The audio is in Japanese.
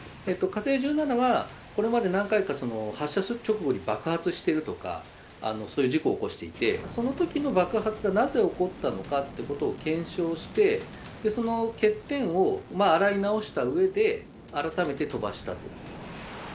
火星１７は、これまで何回か発射直後に爆発してるとか、そういう事故を起こしていて、そのときの爆発がなぜ起こったのかということを検証して、その欠点を洗い直したうえで、改めて飛ばしたと。